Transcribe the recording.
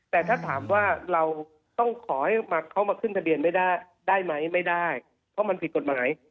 แต่ถ้าถามว่าเราต้องขอให้เขามาขึ้นทะเบียนไม่ได้ได้ไหมไม่ได้เพราะมันผิดกฎหมาย